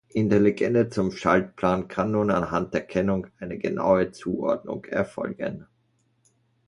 In der Legende zum Schaltplan kann nun anhand der Kennung eine genaue Zuordnung erfolgen.